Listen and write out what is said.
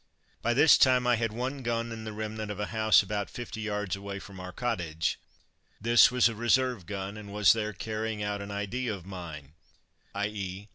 By this time I had one gun in the remnant of a house about fifty yards away from our cottage. This was a reserve gun, and was there carrying out an idea of mine, _i.e.